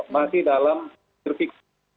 masih dalam jertik